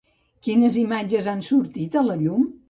Quines imatges han sortit a la llum?